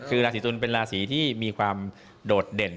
คือราศีตุลเป็นราศีที่มีความโดดเด่น